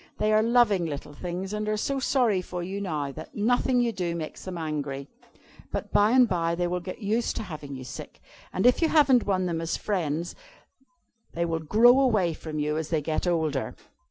They are loving little things, and are so sorry for you now, that nothing you do makes them angry. But by and by they will get used to having you sick, and if you haven't won them as friends, they will grow away from you as they get older."